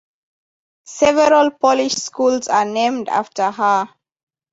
Several Polish schools are named after her.